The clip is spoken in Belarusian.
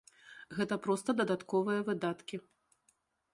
Гэта проста дадатковыя выдаткі.